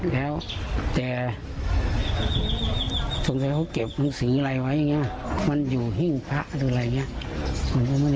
มันก็ไม่ได้อยู่สูงแล้วหิ้งพระหรืออะไรหรือ